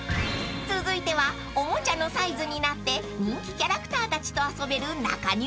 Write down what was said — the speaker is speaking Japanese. ［続いてはおもちゃのサイズになって人気キャラクターたちと遊べる中庭へ］